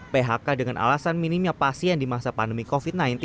phk dengan alasan minimnya pasien di masa pandemi covid sembilan belas